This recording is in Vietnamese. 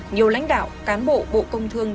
nhiều lãnh đạo cán bộ bộ công thương